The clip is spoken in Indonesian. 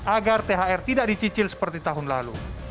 agar thr tidak dicicil seperti tahun lalu